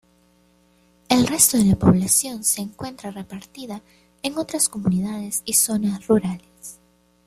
El resto de la población se encuentra repartida en otras comunidades y zonas rurales.